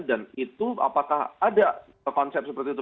dan itu apakah ada konsep seperti itu